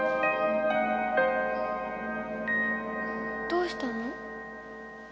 どうしたの？